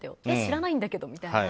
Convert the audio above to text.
えっ、知らないんだけど。